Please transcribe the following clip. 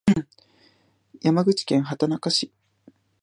山口県畑中市